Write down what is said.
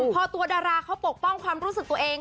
พอตัวดาราเขาปกป้องความรู้สึกตัวเอง